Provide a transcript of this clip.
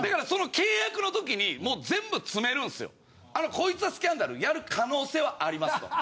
こいつはスキャンダルやる可能性はありますと。